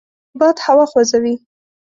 باد هوا خوځوي